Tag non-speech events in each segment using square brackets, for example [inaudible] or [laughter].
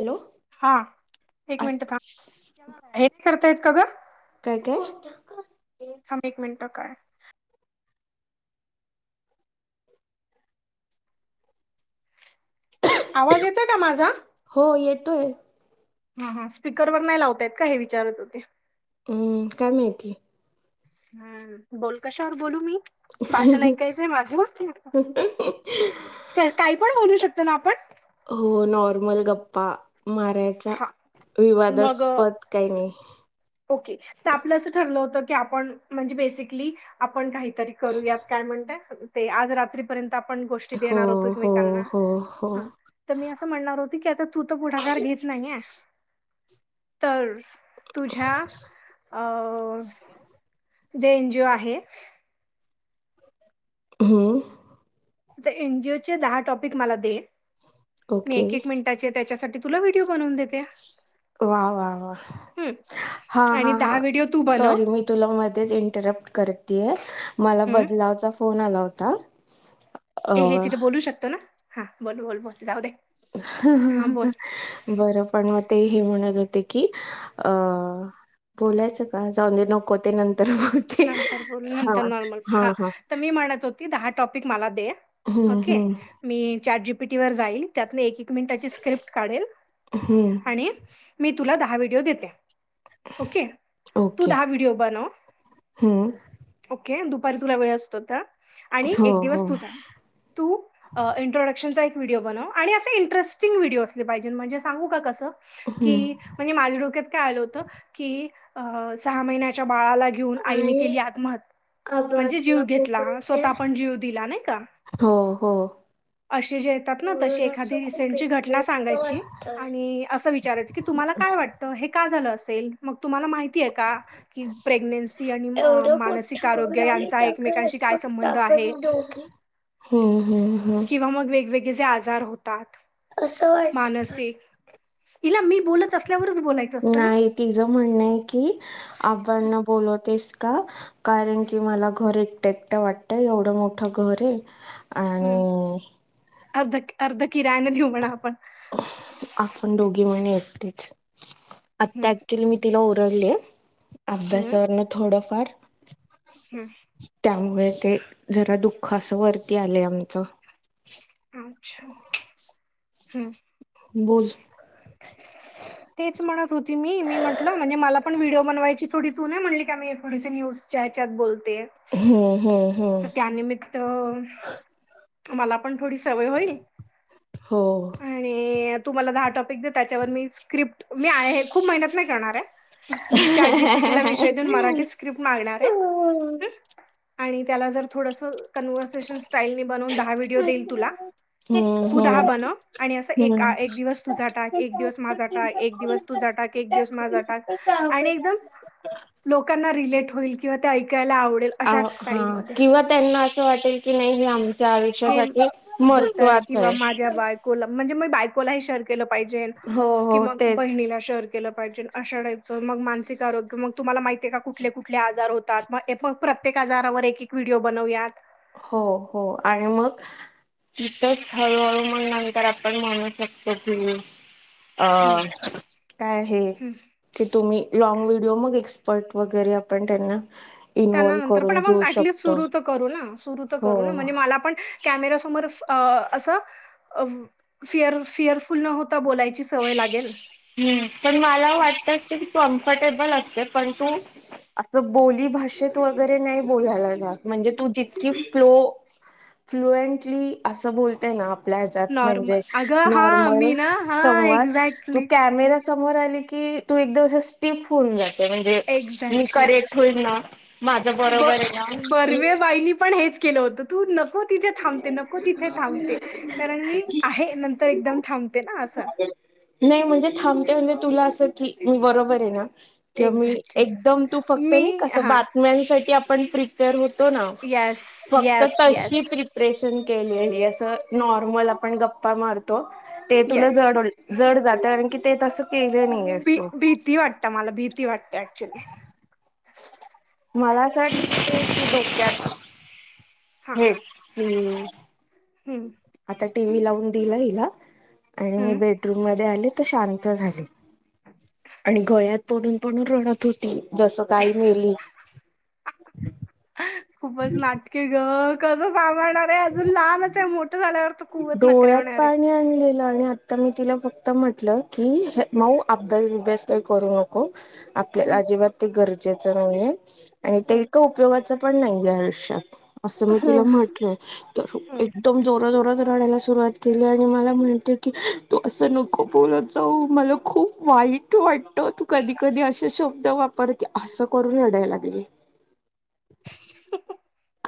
Hello हा एक आ मिनिट थांब एक करतायेत का ग? काय काय थांब एक मिनिटं काय आवाज येतोय काय माझा? हो येतोय. हा हा. स्पीकरवर नाही लावता येत का हे विचारत होते? हम्म. काय माहित. हम्म. बोल कशावर बोलू मी? भाषण ऐकायचं आहे माझ? क काही पण बोलू शकतो ना आपण? हो नॉर्मल गप्पा मारायच्या. हा मग विवादास्पद काही नाही. ओके. तर आपलं असं ठरलं होतं की आपण म्हणजे बेसिकली आपण काही तरी करूयात काय म्हणताय ते आज रात्री पर्यंत आपण गोष्टी हो देणार होतो हो एकमेकांना हो हो हा. तर मी असं म्हणणार होती की आता तू तर पुढाकार घेत नाहीये तर तुझ्या अ जे एन जी ओ आहे हम्म त्या एन जी ओ चे दहा टॉपिक मला दे मी ओके एक एक मिन टाचे त्याचे त्याच्यासाठी तुला व्हिडिओ बनवून देते. वा वा वा हं. हा हा आणि हा दहा व्हिडिओ तू बनव सॉरी मी तुला मध्येच इंटरप्ट करतेय. मला हं. बदलावचा फोन आला होता. [inaudible] ए हे तिथे बोलू शकतो ना? हा बोल बोल बोल. राहू दे. ह ह हां बोल ह बरं पण मग ते हे म्हणत होते की अ बोलायचं का जाऊंदे नको ते नंतर ब नंतर बोल नंतर नॉर्मल हा तर मी म्हणत होती दहा टॉपिक मला दे हम्म ओके हम्म मी चार जीपीटी वर जाईल त्यात एक एक मिनिटाची स्क्रिप्ट काढेल हम्म आणि मी तुला दहा व्हिडिओ देते. ओके तू दहा व्हिडिओ बनव हम ओके दुपारी तुला वेळ असतो त आणि हो एक हो दिवस तुझा तू इंट्रडक्शनचा एक व्हिडिओ बनव आणि असे इंटरेस्टिंग व्हिडीओ असले पाहिजे म्हणजे सांगू का कसं की हम्म म्हणजे माझ्या डोक्यात काय आलं होत की सहा महि्याच्या बाळाला घेऊ आईने केली आत्महत्य म्हणजे जीव घेतला स्वःता पण जीव दिला नाय का हो हो अशी जे येतात ना तशी एखादी रिसेनचीघटना सांगायची आणि असं विचारायचं की तुम्हाला काय वाटतं? हे का झालं असेल मग तुम्हाला माहितीये का प्रे मेल्सी आणि मानसिक आरोग्य यांचा एकमेकांशी काय संबंध आहे. हम्म हम्म हम्म किंवा मग वेगवेगळेे आजार होत ताट मानसिक हिला मी बोलत असल्यावरच बोलायचं असतं. ना तिज म्हणणंय की आपण न बोलवतेस. का कारण की मला घर एकटं एकटं वाटतय एवढं मोठं घर ये हम्म अर्ध अर्ध किराण घीऊ ना आपण. आपण दोघे म्ह एकटेच आता हं, ऍक्च्युली मी तिला ओरडले. अभ्यासावरनं थोडंफार हम् त्यामुळे ते जरा दुःख असं वरती आलय आमचं अच्छा हम्म बोल तेच म्हणत होती मी मी म्हटलं म्हणजे मला पण व्हिडिओ बनवायची थोडी तू नाही म्हणली का मी थोडीशी न्यूज चहच्यात बोलते हो हो [unintelligible] त त्यानिमित्त मला पण थोडी सवय होईल हो. आणि तुम्हाला दहा टॉपिक दे त्याच्यावर मी स्क्रिप्ट मी आहे खूप मेहनत नाय करणार हाय मी चा जीपीटीला विषय देऊन मराठी क्रिप मागणार हाय हं आणि त्याला जर थोडसं कन्वर्सेशन स्टाइलने बनवून दहा व्हिडिओ देईन तुला. हम्म तू दहा हम्म बनव आणि असं एका हम्म एक दिवस तुझा टाक एक दिवस माझा टाक एक दिवस तुजा टाक एक दिवस माझा टाक आणि एकदम लोकांना रिलेट होईल किंवा ते ऐकायला आवडेल आ अशाच हा स्टाईलमध्ये किंवा त्यांना असं वाटेल की नाई हे आम त्या हे आयुष्यासाठी होतंय महत्वाच किंवा हाय माझ्या बायकोला म्हणजे बायकोलाही शेअर केलं पाहिजे हो की हो मग तेच बहिणीला शेअर केलं पाहिजेल अशा टाईपचं मग मानसिक आरोग्य मग तुम्हाला माहितीय का कुठले कुठले आजार होत. ए पण [inaudible] प्रत्येक आजारावर एक एक व्हिडिओ बनवूयात हो हो आणि मग तिथेच हळूहळू मण नंतर आपण म्हणू शकतो तुम्ही हम्म, अ काय हे हम्म. की तुम्ही लॉंग व्हिडिओ मग एक्सपर्ट वगैरे आपण त्यांना त्यांना इन्वोल नंतर पण करून आपण घिऊ ऍटलीस्ट शकतो. सुरू तर करू ना. सुरु तर हो करू ना. म्हणजे मला पण कॅमेरा समोर अस फिअर फिअरफुल नव्हत बोलायची सवय लागेल. हम्म पण मला वाटत कि तु कम्फर्टेबल असते. पण तू अस बोली भाषेत वगैरे नाही बोलायला जाात‌ म्हणजे तू जितकी स्लो फ्लुएंटली अस बोलते ना आपल्या ह्याच्यात म्हणजे नॉर्मल अगं हा नॉर्मल मी ना हा संवाद तू एक्झॅक्टली कॅमेरा समोर आले की तु एकदम अशी स्टीप होऊन जाते. म्हणजे मी एक्झॅक्टली करेल होईल ना? माझं ब बरोबर आहे ना बर्वेबाईनी पण हेच केल होत. तू नको तिथे थांबते. नको तिथे थांबते. कारण मी आहे. नंतर एकदम थांबते ना अस नाही म्हणजे थांबते म्हणजे, तुला अस की मी बरोबर आहे ना. कि मी एक्झॅक्टली एकदम तू फक्त नाही मी कस हा बातम्यांसाठी आपण प्री प्रेर होतो ना येस फक्त येस तशी येस प्री प्रेपरेशन केलीये हे अस नॉर्मल आपण गप्पा मारतो. ते तुला येस जड होईल. जड जात आणि आणखी ते तस केल नाहीेयस तु. किती वाट आता मला भीती वाटते ऍक्च्युअली. मला अस वाट की डोक्यात हा हे हम्म हम्म आता टी व्ही लावून दिला हिला. आणि मी हम्म. बेडरूम मध्ये आले तर शांत झाली. आणि गळ्यात पडून पडून रडत होती. जस का आई मेली. खूपच नाटकी ग. कस साभाळनार. ते अजून लाहानच आहे. मोठ झाल्यावर तो कुवत नकरे डोळ्यात होणारे. [unintelligible] आणि आता मी तिला फक्त म्हटल की, हे माऊ अभ्यास बिभ्यास काही करू नको. आपल्याला हम्म, अजिबात ते गरज नाही आणि हम्म, उपयोगाच पण नाहीे आयुष्यात. अस मी तिला हम्म, म्हटल. तर हम्म. एकदम जोरा-जोराच रडायला सुरुवात केली आणि मला म्हणते की तू अस नको बोलत जाऊ. मला खूप वाईट वाटत. तू कधी कधी अशे शब्द वापर ती अस करून रडायला लागली.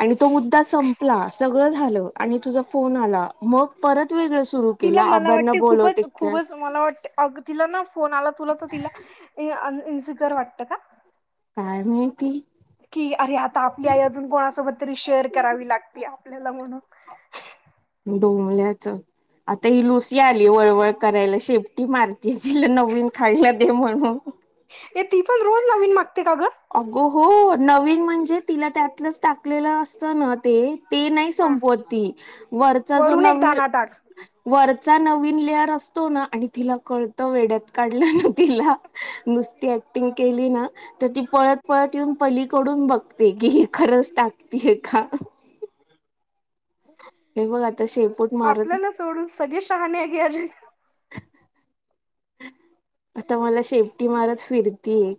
आणि तो मुद्दा संपला. सगळ झाल. आणि तुझा फोन आला. मग परत वेगळ सुरू केल. आबांना बोलवते का काय. तुम्हाला वाटतय अग तिला ना फोन आला तुला तर तिला अन इन्सिक्युर वाटत का? काय माहिती. की अरे आता आपली आई अजून कोणासोबत तरी शेअर करावी लागतीय आपल्याला म्हणून. डोंबल्याच आता ही लुसी आली वळवळ करायला. शेपटी मारती तिला नवीन खायला दे म्हणून. ए ती पण रोज नवीन मागते का ग? अगो हो, नवीन म्हणजे तिला त्यातलच टाकलेल असत ना ते ते नाही हा. संपवत ती‌. वरचा जो वरून एक नवीर दाना टाक वरचा नवीन लेअर असतो ना, आणि तिला कळत वेड्यात काढलेल तिला. नुसती ऍक्टिंग केली ना तर ती पळत -पळत येऊन पलीकडून बघते की खरंच टाकतेय का? हे बघ आता शेपूट मारत आपल्याला सोडून सगळे शहाणे या जगा [inaudible] आता मला शेपटी मारत फिरतीये.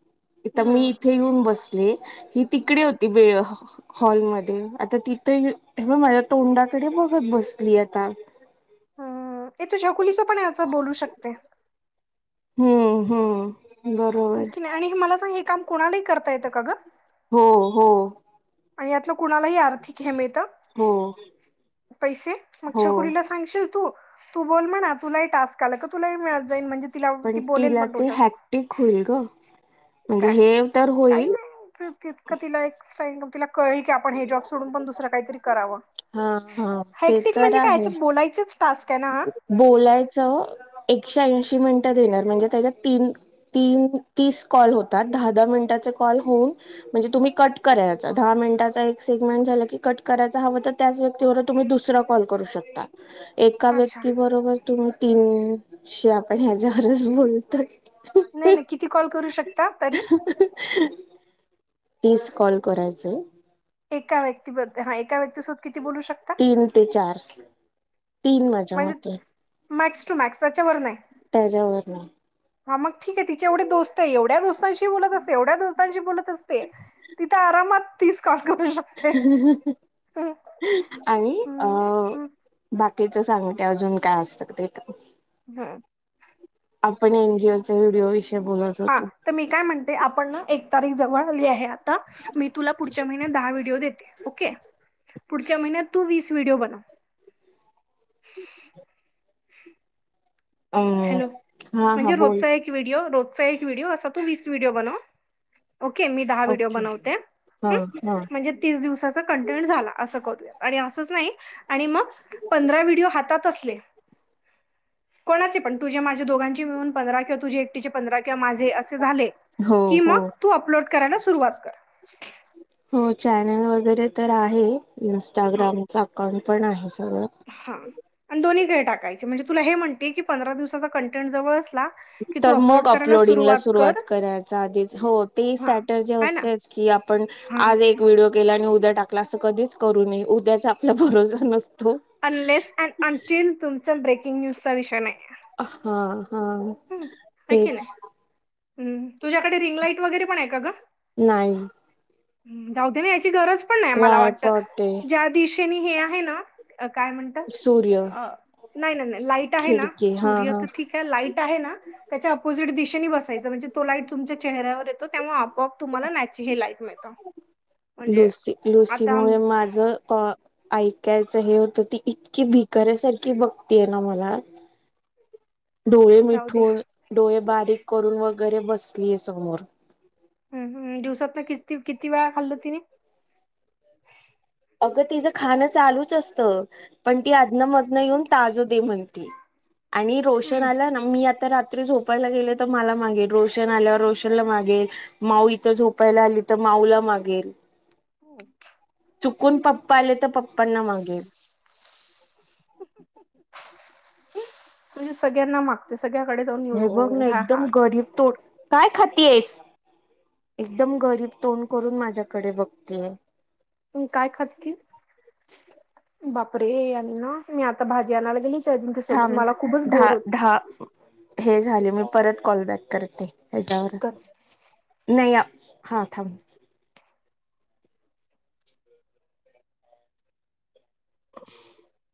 इथं मी हम्म. इथे येऊन बसले. ही तिकडे हम्म. होती बे [unintelligible] हॉलमध्ये आता तिथे यू-हे ब माझ्या तोंडाकडे बघत बसली आता, हा ये तू छकुलीच पण यात बोलू शकते. हम्म- हम्म हो बरोबर की नाही आणि मला सांग हे काम कोणालाही करता येतं का ग? हो -हो आणि यातन कुणालाही आर्थिक हे मिळत, हो पैसे मग हो छकुलीलाच सांगशील तू, तू बोल म्हणा तुलाही टास्क ला का [unintelligible] तुलाही मिळत जाईल म्हणजे तिला ती बोलेल म तुझ्या सोबत, ठीक होईल, ग म्हणजे हे तर काही होईल, नाही तितकं तिला एक स -तिला कळेल की, की आपण हे जॉब सोडून पण दुसर काहीतरी करावं. हा हा ते हेक्टिक तर म्हणजे काय आहे बोलायचंच, टास्क आहे ना हा, बोलायचं एकशे ऐंशी मिनिटं देणार म्हणजे त्याच्यात तीन तीन, तीस कॉल होतात दहा- दहा मिनिटाचे कॉल होऊन, म्हणजे तुम्ही कट करायच दहा मिनिटाचा एक सेगमेंट झालं की कट करायच हवं तर त्याच व्यक्तीबरोबर तुम्ही दुसरा काॅल करू शकता. एका अच्छा व्यक्ती बरोबर तुम्ही तीनशे आपण ह्याच्यावरच बोलतोय. [inaudible] नाही -नाही किती कॉल करू शकता तरी? तीस कॉल करायचे. एका व्यक्तीबद्द- ह एका व्यक्तीसोबत किती बोलू शकता? तीन ते चार, तीन माझ्या म्हणजे मते, मॅक्स टू मॅक्स त्याच्या वर नाही. त्याच्यावरन हा मग ठीक आहे तिचे एवढे दोस्त आहे, एवढ्या दोस्तांशी बोलत असते, एवढ्या दोस्तांशी बोलत असते. तिथं आरामात तीस काॅल करू शकतो. [inaudible] आणि अ हम्म, बाकीच सांगते अजून काय असतं ते, का हम आपण एनजीओ चा व्हिडिओ विषयी बोलत हा होतो. तर मी काय म्हणते, आपण ना एक तारीख जवळ आली आहे. मी तुला पुढच्या महिन्यात दहा व्हिडओ देते. ओके पुढच्या महिन्यात तू वीस व्हिडीओ बनव. अम हॅलो, हा हा म्हणजे बोल रोजचा एक व्हिडिओ, रोजचा एक व्हिडिओ असा तू वीस व्हिडिओ बनव. ओके मी दहा व्हिडिओ ओके बनवते हा हम्म, हा म्हणजे तीस दिवसाचा कंटेन्यू झाला असं करूया आणि असच नाही आणि मग पंधरा व्हिडिओ हातात असले. कोणाचे पण तुझ्या माझ्या दोघांची मिळून, पंधरा किंवा तुझ एकटीचे पंधरा किंवा माझे असे झाले हो की, हो मग तू अपलोड करायला सुरुवात कर, हो चॅनल वगैरे तर आहे. इन्स्टाग्रामचा अकाउंट पण आहे सगळं, हा आणि दोन्ही कडे टाकायचे म्हणजे तुला हे म्हणते की पंधरा दिवसाचा कंटेंट जवळ असला - तर मग अपलोडिंगला सुरुवात करायचा आधीच हो ते सॅटर्जे असतेच की आपण हा आज एक व्हिडिओ केला आणि उद्या टाकला असं कधीच करू नये उद्याचा आपला भरोसा नसत अनलेस अँड अटिल तुमचा ब्रेकिंग न्यूजचा विषय नाय. हा हा हाय की तेच नाय हम्म [unintelligible] तुझ्याकडे रिंगलाईट वगैरे पण आहे का ग नाही जाऊ दे ना ह्याची गरज [unintelligible] मला ड्राय वाटतं पॉट आहे. ज्या दिशी त्यांनी हे आहेना काय म्हणतात सूर्य अ नाय नाय लाईट लाईट आहे ना खिडकी हा हा सूर्याचं ठीक आहे लाईट आहे ना - त्याच्या अपोजिट दिशेने बसायचं म्हणजे तो लाईट तुमच्या चेहऱ्यावर येतो त्यामुळे आपोआप तुम्हाला नॅची हे लाईट मिळतं. म्हणजे लुसी लुसी आता आम मुळे माझ का ऐकायचं हे होतं ती इतकी भिकऱ्यासारखी बघतीय ना मला. डोळे जाऊ द्या. मिटून डोळे बारीक करून वगैरे बसलीये समोर हम हम दिवसातन किती किती वेळा खाल्ल तिने अगं तिचं खाणं चालूच असतं पण ती अधन मधन येऊन ताज दे म्हणती आणि रोशन हं. आला ना मी आता रात्री झोपायला गेले तर मला मागेल रोशन आल्यावर रोशन ला मागेल. माऊ इथं झोपायला आली तर माऊला मागेल. [unintelligible] चुकून पप्पा आले तर पप्पांना मागेल. तुझे सगळ्यांना माग. सगळ्याकडे दोन हे बघ ना एकदम गरीब तो. काय खाती येस एकदम गरीब तोंड करून माझ्याकडे बघतीये. प काय खात की बापरे आणि ना मी आता भाजी आणायला गेली. त्या अजिंक्य सोबत थम मला खूपच धा बोर होत धा हे झाले मी परत कॉलबॅक करते हच्यावर कर न या हा थांब [inaudible]